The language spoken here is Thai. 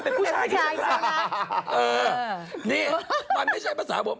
นี่มันไม่ใช่ภาษาผม